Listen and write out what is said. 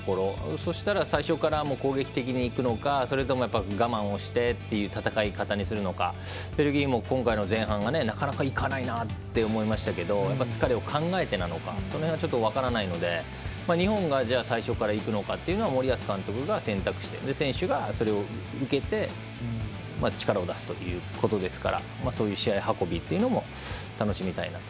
そうしたら最初から攻撃的にいくのかそれとも我慢をしてっていう戦い方にするのかベルギーも今回の前半がなかなかいかないなって思いましたけど疲れを考えてなのかその辺は分からないので日本が最初からいくのかというのは森保監督が選択して選手が、それを受けて力を出すということですからそういう試合運びっていうのも楽しみたいなと。